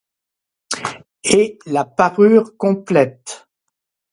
Et la parure complète